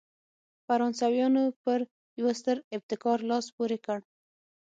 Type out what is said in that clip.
فرانسویانو پر یوه ستر ابتکار لاس پورې کړ.